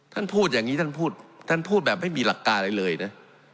ท่านพูดอย่างนี้ท่านพูดท่านพูดแบบไม่มีหลักการอะไรเลยนะ